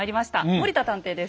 森田探偵です。